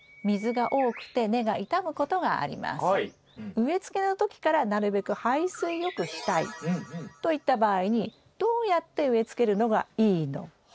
植え付けの時からなるべく排水よくしたい。といった場合にどうやって植え付けるのがいいのか？